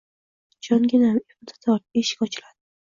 Jonginam, ipni tort, eshik ochiladi!